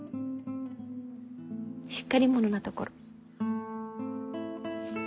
しっかり者なところ。